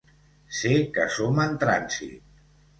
Sé que som en trànsit.